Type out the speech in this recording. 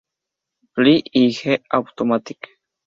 Fly y The Automatic.